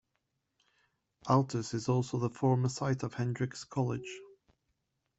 Altus is also the former site of Hendrix College.